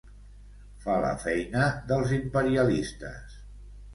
Fa la feina dels imperialistes.